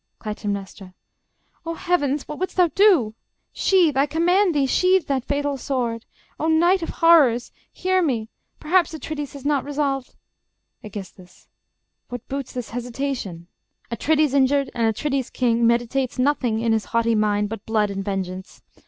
Cly. O Heavens! what wouldst thou do? Sheathe, I command thee, sheathe that fatal sword. Oh, night of horrors!... hear me... Perhaps Atrides Has not resolved... Aegis. What boots this hesitation?... Atrides injured, and Atrides king, Meditates nothing in his haughty mind But blood and vengeance.